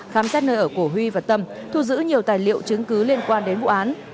khám xét nơi ở của huy và tâm thu giữ nhiều tài liệu chứng cứ liên quan đến vụ án